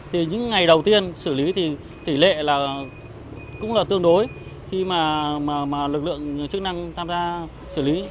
thì những ngày đầu tiên xử lý thì tỷ lệ là cũng là tương đối khi mà lực lượng chức năng tham gia xử lý